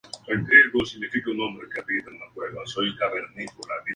El estado de Nevada decidió cerrar el centro por razones presupuestarias.